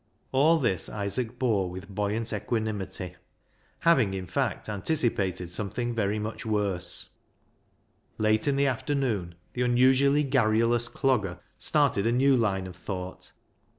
ISAAC'S FIDDLE 291 All this Isaac bore with buoyant equanimity, having, in fact, anticipated something very much worse. Late in the afternoon the unusually garrulous Clogger started a new line of thought.